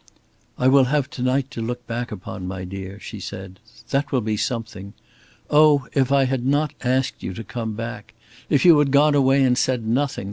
"I will have to night to look back upon, my dear," she said. "That will be something. Oh, if I had not asked you to come back! If you had gone away and said nothing!